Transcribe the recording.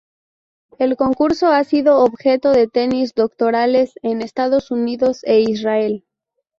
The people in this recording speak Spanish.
El concurso ha sido objeto de tesis doctorales en Estados Unidos e Israel.